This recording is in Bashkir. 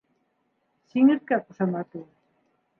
«Сиңерткә» ҡушаматлы.